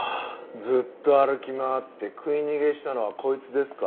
ずっと歩き回って食い逃げしたのはこいつですか？